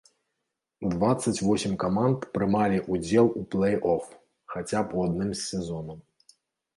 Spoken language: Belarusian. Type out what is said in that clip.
Дваццаць восем каманд прымалі ўдзел у плэй-оф хаця б у адным з сезонаў.